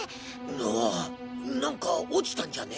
ああ何か落ちたんじゃね？